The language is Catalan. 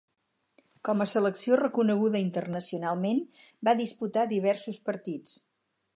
Com a selecció reconeguda internacionalment va disputar diversos partits.